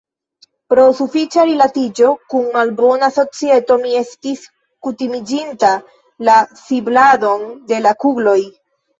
Pro sufiĉa rilatiĝo kun malbona societo, mi estis kutimiĝinta la sibladon de la kugloj.